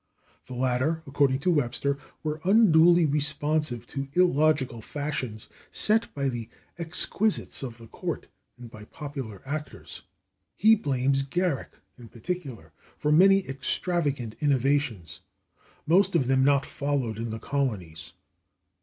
The latter, according to Webster, were unduly responsive to illogical fashions set by the exquisites of the court and by popular actors. He blames Garrick, in particular, for many extravagant innovations, most of them not followed in the colonies.